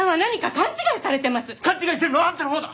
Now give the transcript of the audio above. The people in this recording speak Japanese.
勘違いしてるのはあんたのほうだ！